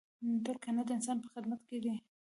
ټول کاینات د انسان په خدمت کې دي.